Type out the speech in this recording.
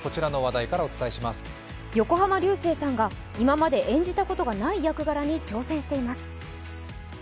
横浜流星さんが今まで演じたことのない役柄に挑戦しています。